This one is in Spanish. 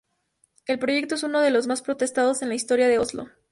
El proyecto es uno de los más protestado en la historia de Oslo.